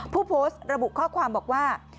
ผู้โพสต์ระบุข้อความบอกว่า